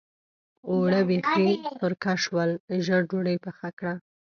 اوړه بېخي سرکه شول؛ ژر ډودۍ پخه کړه.